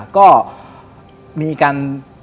ก็มีการ